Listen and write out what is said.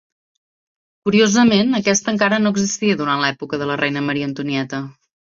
Curiosament, aquest encara no existia durant l'època de la reina Maria Antonieta.